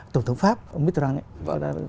tổng thống pháp ông mitterrand